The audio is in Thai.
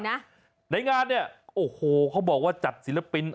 ตลอดจริงนะในงานเนี่ยโอ้โหเขาบอกว่าจัดศิลปินเอาไว้นะครับ